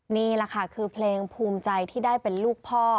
นี่แหละค่ะคือเพลงภูมิใจที่ได้เป็นลูกพ่อ